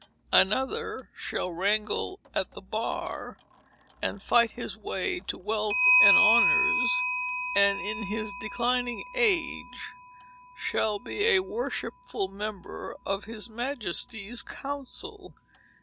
Another shall wrangle at the bar, and fight his way to wealth and honors, and in his declining age, shall be a worshipful member of his Majesty's council.